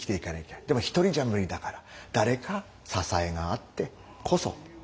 でも一人じゃ無理だから誰か支えがあってこそ。